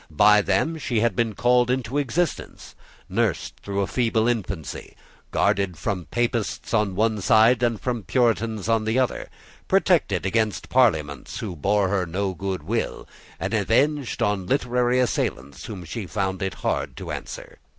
By them she had been called into existence, nursed through a feeble infancy, guarded from Papists on one side and from Puritans on the other, protected against Parliaments which bore her no good will, and avenged on literary assailants whom she found it hard to answer.